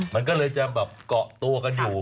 มันก็เลยจะแบบเกาะตัวกันอยู่